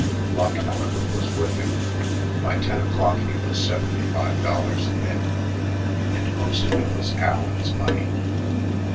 Luck, however, was with him; by ten o'clock he was seventy five dollars ahead, and most of it was Allen's money.